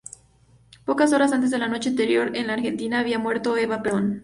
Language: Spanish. Pocas horas antes, la noche anterior, en la Argentina había muerto Eva Perón.